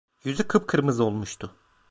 Yüzü kıpkırmızı olmuştu.